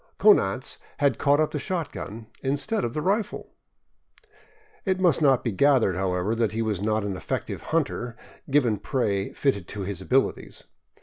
Konanz had caught up the shotgun instead of the rifle ! It must not be gathered, however, that he was not an effective hunter, given prey fitted to his abilities.